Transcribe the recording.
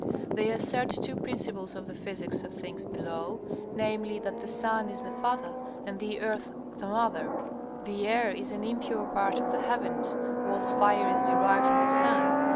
They assert two principles of the physics of things below, namely, that the sun is the father, and the earth the mother; the air is an impure part of the heavens; all fire is derived from the sun.